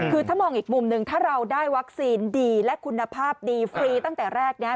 คือถ้ามองอีกมุมหนึ่งถ้าเราได้วัคซีนดีและคุณภาพดีฟรีตั้งแต่แรกเนี่ย